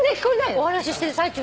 お話ししてる最中に？